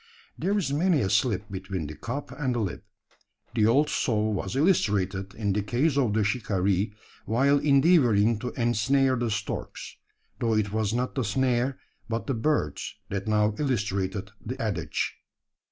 There is many a slip between the cup and the lip. The old saw was illustrated in the case of the shikaree while endeavouring to ensnare the storks; though it was not the snare, but the birds that now illustrated the adage.